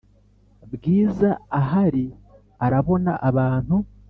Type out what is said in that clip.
bwiza ahari arabona abantu